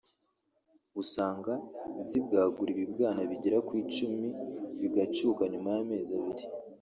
usanga zibwagura ibibwana bigera ku icumi bigacuka nyuma y’amezi abiri